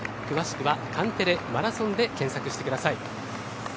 詳しくはカンテレ、マラソンで検索してください。